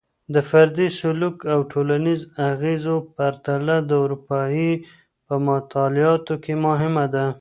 د فردي سلوک او ټولنیزو انګیزو پرتله د ارواپوهني په مطالعاتو کي مهمه ده.